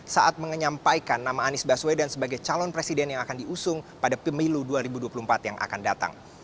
saat menyampaikan nama anies baswedan sebagai calon presiden yang akan diusung pada pemilu dua ribu dua puluh empat yang akan datang